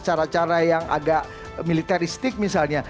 cara cara yang agak militeristik misalnya